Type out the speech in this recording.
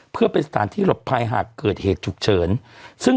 เพื่อเป็นสถานที่หลบภัยหากเกิดเหตุฉุกเฉินซึ่ง